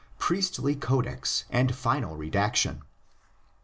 PRIESTLY CODEX AND FINAL REDACTION.